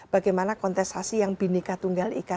bagaimana kontestasi yang bineka tunggal ika